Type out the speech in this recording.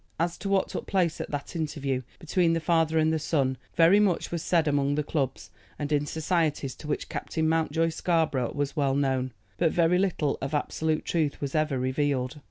As to what took place at that interview between the father and the son very much was said among the clubs, and in societies to which Captain Mountjoy Scarborough was well known; but very little of absolute truth was ever revealed.